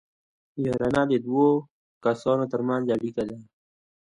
یارانه د دوو کسانو ترمنځ اړیکه ده